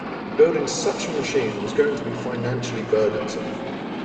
Building such a machine was going to be financially burdensome.